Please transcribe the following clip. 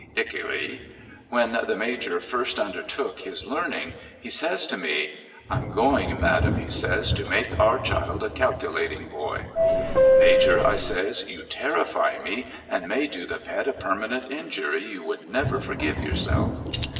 ically. ^^'hen the Major first undertook his learning he says to me :' I'm going Madam,' he says ' to make our child a Calculating Boy.' ' Major,' I says, ' you terrify me and may do the pet a permanent injury you would never forgive yourself.'